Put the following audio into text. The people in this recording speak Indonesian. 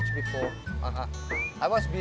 saya seorang lelaki pantai